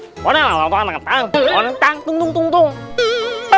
sampai jumpa lagi di video selanjutnya